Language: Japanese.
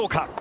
どうか？